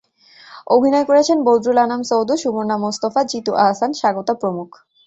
অভিনয় করেছেন বদরুল আনাম সৌদ, সুবর্ণা মুস্তাফা, জিতু আহসান, স্বাগতা প্রমুখ।